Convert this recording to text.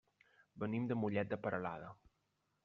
Venim de Mollet de Peralada.